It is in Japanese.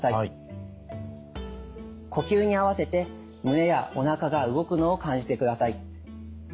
呼吸にあわせて胸やおなかが動くのを感じてください。